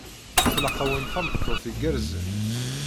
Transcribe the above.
Tlaq-awen tameṭṭut igerrzen.